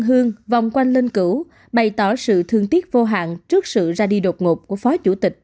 hương vòng quanh linh cửu bày tỏ sự thương tiếc vô hạn trước sự ra đi đột ngột của phó chủ tịch